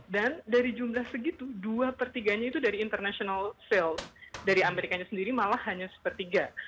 dan dari jumlah segitu dua pertiganya itu dari international sales dari amerikanya sendiri malah hanya sepertiga